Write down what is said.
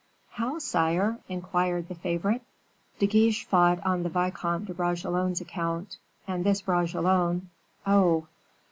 "How, sire?" inquired the favorite. "De Guiche fought on the Vicomte de Bragelonne's account, and this Bragelonne... oh!